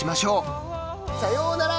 さようなら。